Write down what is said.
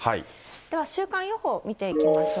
では週間予報、見ていきましょう。